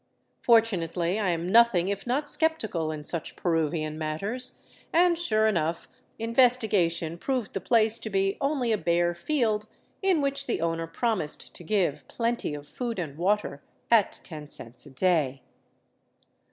For tunately I am nothing if not sceptical in such Peruvian matters and, sure enough, investigation proved the place to be only a bare field in which the owner promised to give " plenty of food and water " at ten cents a day.